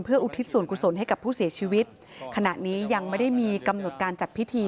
อุทิศส่วนกุศลให้กับผู้เสียชีวิตขณะนี้ยังไม่ได้มีกำหนดการจัดพิธี